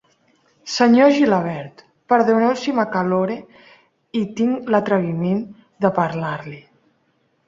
Senyor Gilabert, perdoneu si m'acalore i tinc l'atreviment de parlar-li.